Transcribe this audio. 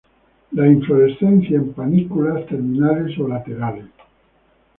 La inflorescencia en panículas terminales o laterales.